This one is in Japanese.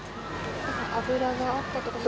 油があったとか？